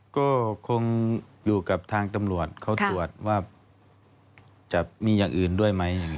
ก็คงอยู่กับทางตำรวจเขาตรวจว่าจะมีอย่างอื่นด้วยไหม